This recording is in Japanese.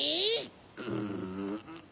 うん。